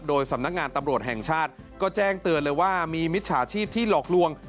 โดยสำนักงานตำรวจแห่งชาติก็แจ้งเตือนเลยว่ามีมิจฉาชีพที่หลอกลวง